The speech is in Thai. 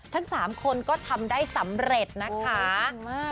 ทั้งสามคนก็ทำได้สำเร็จนะคะโอ้ยจริงมาก